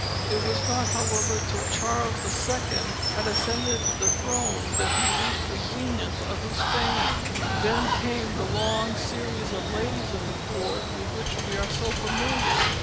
It was not, however, till Charles II. had ascended the throne that he reached the zenith of his fame. Then came the long series of ladies of the Court with which we are so familiar.